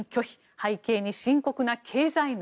背景に深刻な経済難。